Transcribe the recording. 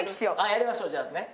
やりましょうじゃあね。